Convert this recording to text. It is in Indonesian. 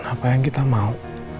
apa yang kita mau